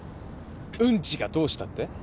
ウンチがどうしたって？